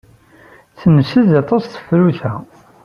Temsed aṭas tefrut-a.